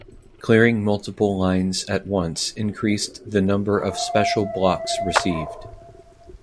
Clearing multiple lines at once increases the number of special blocks received.